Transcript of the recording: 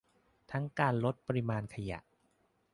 ทั้งการลดปริมาณขยะ